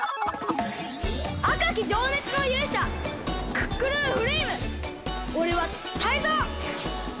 あかきじょうねつのゆうしゃクックルンフレイムおれはタイゾウ！